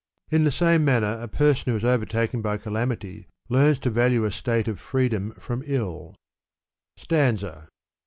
In the same manner a person who is overtaken by calamity learns to value a state of freedom from ilL" Slanza.